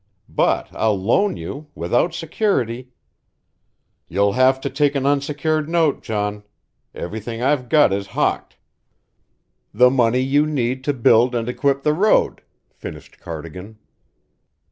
But I'll loan you, without security " "You'll have to take an unsecured note, John. Everything I've got is hocked." " the money you need to build and equip the road," finished Cardigan.